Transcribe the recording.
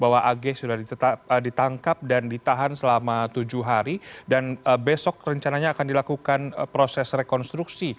wa'alaikumussalamu'alaikum warahmatullahi wabarakatuh